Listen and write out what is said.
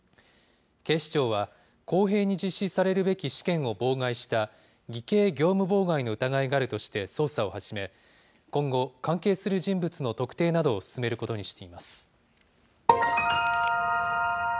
警視庁は、公平に実施されるべき試験を妨害した偽計業務妨害の疑いがあるとして捜査を始め、今後、関係する人物の特定などを進めることにしています。